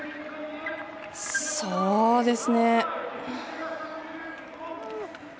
そうですね。